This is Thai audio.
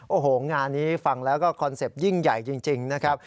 โอ้โหงานนี้ฟังแล้วก็คอนเซ็ปต์ยิ่งใหญ่จริงนะครับ